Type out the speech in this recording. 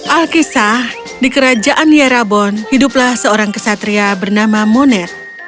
alkisah di kerajaan yerabon hiduplah seorang kesatria bernama monet